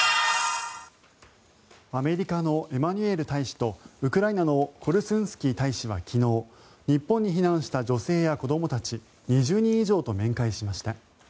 アメリカのエマニュエル大使とウクライナのコルスンスキー大使は昨日日本に避難した女性や子どもたち２０人以上と面会しました。